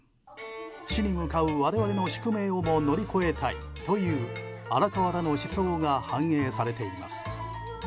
死に向かう我々の宿命をも乗り越えたいという荒川らの思想が反映されています。